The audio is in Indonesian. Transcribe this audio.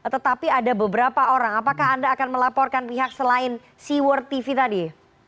tetapi ada beberapa orang apakah anda akan melaporkan pihak selain seaword tv tadi